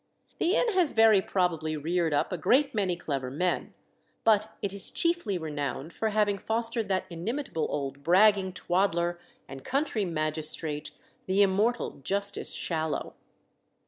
The inn has very probably reared up a great many clever men; but it is chiefly renowned for having fostered that inimitable old bragging twaddler and country magistrate, the immortal Justice Shallow.